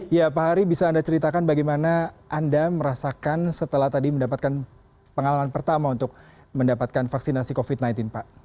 ya pak hari bisa anda ceritakan bagaimana anda merasakan setelah tadi mendapatkan pengalaman pertama untuk mendapatkan vaksinasi covid sembilan belas pak